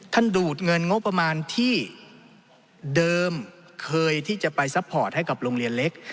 ดูดเงินงบประมาณที่เดิมเคยที่จะไปซัพพอร์ตให้กับโรงเรียนเล็ก